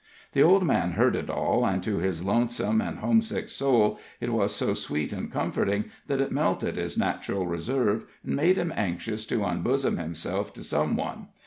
The old man heard it all, and to his lonesome and homesick soul it was so sweet and comforting, that it melted his natural reserve, and made him anxious to unbosom himself to some one.